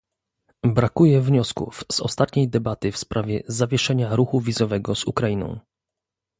Brakuje wniosków z ostatniej debaty w sprawie zawieszenia ruchu wizowego z Ukrainą